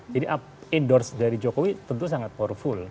endorse dari jokowi tentu sangat powerful